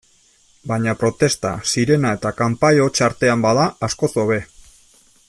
Baina protesta, sirena eta kanpai hots artean bada, askoz hobe.